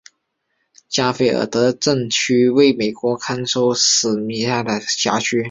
加菲尔德镇区为美国堪萨斯州史密斯县辖下的镇区。